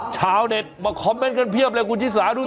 ชาวเน็ตมาคอมเมนต์กันเพียบเลยคุณชิสาดู